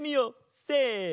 せの。